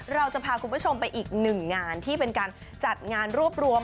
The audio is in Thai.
เราจะพาคุณผู้ชมไปอีกหนึ่งงานที่เป็นการจัดงานรวบรวม